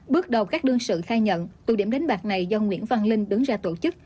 bước đầu các đương sự khai nhận tù điểm đánh bạc này do nguyễn văn linh đứng ra tổ chức